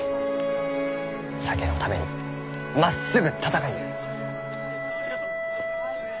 酒のためにまっすぐ闘いゆう。